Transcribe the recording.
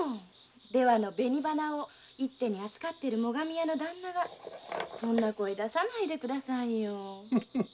出羽の紅花を一手に扱ってる最上屋のダンナがそんな声出さないで下さいよ。